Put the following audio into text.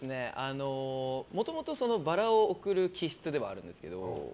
もともとバラを贈る気質ではあるんですけど。